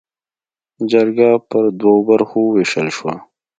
جرګه پر دوو برخو ووېشل شوه.